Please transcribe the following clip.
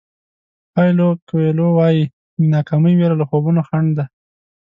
پایلو کویلو وایي د ناکامۍ وېره له خوبونو خنډ ده.